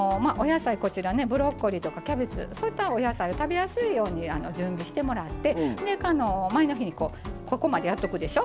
ブロッコリーとかキャベツそういったお野菜を食べやすいように準備してもらって前の日にここまでやっとくでしょ。